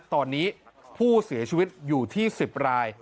ตอนนี้ผู้เสียชีวิตอยู่ที่๑๐ราย